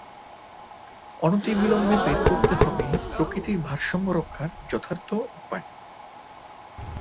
অনতিবিলম্বে বের করতে হবে প্রকৃতির ভারসাম্য রক্ষার যথার্থ উপায়।